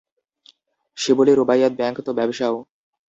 Shibli Rubaiyat bank তো ব্যবসাও।